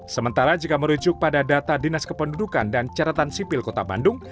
sementara jika merujuk pada data dinas kependudukan dan ceretan sipil kota bandung